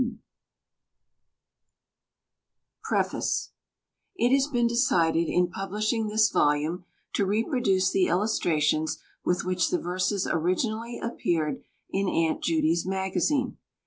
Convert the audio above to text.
] PREFACE It has been decided in publishing this volume to reproduce the illustrations with which the verses originally appeared in Aunt Judy's Magazine.